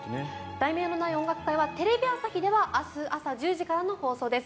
「題名のない音楽会」はテレビ朝日では明日朝１０時からの放送です。